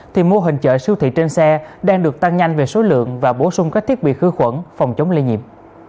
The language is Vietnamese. thì mô hình chợ siêu thị trên xe đang được tăng nhanh về số lượng và bổ sung các thiết bị hư khuẩn phòng chống lây nhiễm